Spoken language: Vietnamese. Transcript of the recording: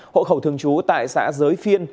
hộ khẩu thường trú tại xã giới phiên